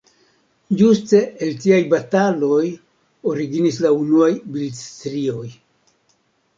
Ĝuste el tiaj bataloj originis la unuaj bildstrioj.